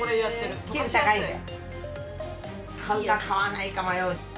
買うか買わないか迷う。